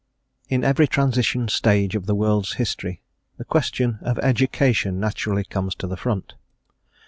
IN every transition stage of the world's history the question of education naturally comes to the front.